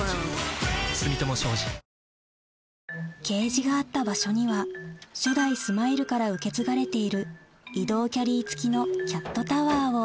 ケージがあった場所には初代スマイルから受け継がれているＯＫ。